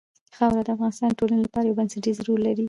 خاوره د افغانستان د ټولنې لپاره یو بنسټيز رول لري.